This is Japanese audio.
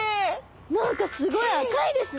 何かすごい赤いですね。